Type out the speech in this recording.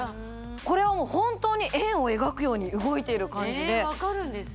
これは本当に円を描くように動いている感じでえ分かるんです？